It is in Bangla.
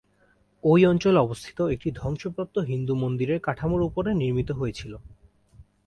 ঐ অঞ্চলে অবস্থিত একটি ধ্বংসপ্রাপ্ত হিন্দু মন্দিরের কাঠামোর উপরে নির্মিত হয়েছিল।